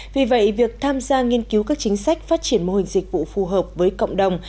vì vậy việc tham gia nghiên cứu các chính sách phát triển mô hình dịch vụ phù hợp với cộng đồng